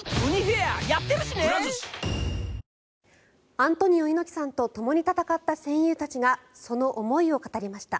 アントニオ猪木さんとともに戦った戦友たちがその思いを語りました。